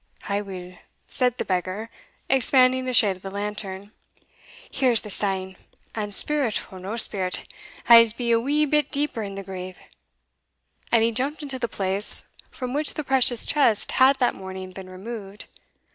"Aweel," said the beggar (expanding the shade of the lantern), "here's the stane, and, spirit or no spirit, I'se be a wee bit deeper in the grave;" and he jumped into the place from which the precious chest had that morning been removed.